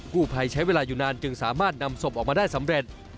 ผู้ภัยใช้เวลาอยู่นานจึงสามารถนำศพออกมาได้สำเร็จ